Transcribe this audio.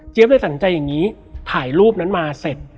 เลยสนใจอย่างนี้ถ่ายรูปนั้นมาเสร็จ